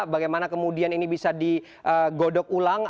bagaimana kemudian ini bisa digodok ulang